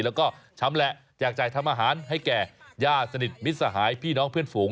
แล้วก็ชำแหละแจกจ่ายทำอาหารให้แก่ญาติสนิทมิตรสหายพี่น้องเพื่อนฝูง